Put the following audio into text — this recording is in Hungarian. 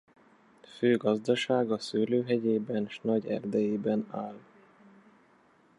Fő gazdasága szőlőhegyében s nagy erdejében áll.